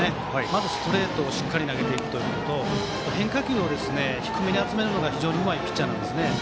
まずストレートをしっかり投げていくことと変化球を低めに集めるのが非常にうまいピッチャーですね。